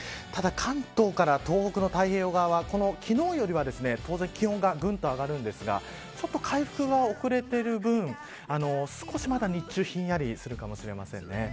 ただ関東から東北の太平洋側は昨日よりは当然気温がぐんと上がるんですがちょっと回復が遅れている分少し、まだ日中ひんやりするかもしれません。